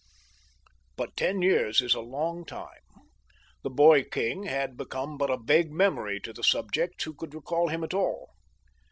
But ten years is a long time. The boy king had become but a vague memory to the subjects who could recall him at all.